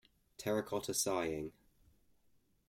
Terracotta Sighing.